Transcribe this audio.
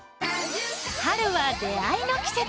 春は出会いの季節。